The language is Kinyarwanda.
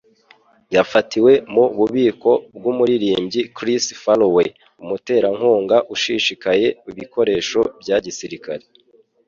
Yafatiwe mu bubiko bw'umuririmbyi Chris Farlowe, umuterankunga ushishikaye ibikoresho bya gisirikare.